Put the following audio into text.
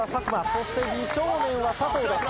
そして美少年は佐藤です。